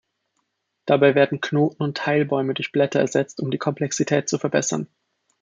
Dabei werden Knoten und Teilbäume durch Blätter ersetzt, um die Komplexität zu verbessern.